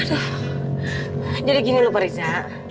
aduh jadi gini loh pariza